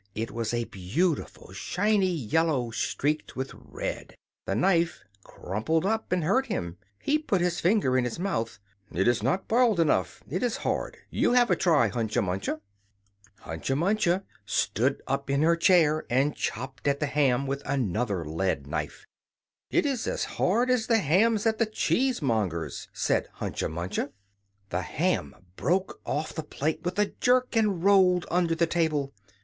It was a beautiful shiny yellow, streaked with red. The knife crumpled up and hurt him; he put his finger in his mouth. "It is not boiled enough; it is hard. You have a try, Hunca Munca." Hunca Munca stood up in her chair, and chopped at the ham with another lead knife. "It's as hard as the hams at the cheesemonger's," said Hunca Munca. The ham broke off the plate with a jerk, and rolled under the table.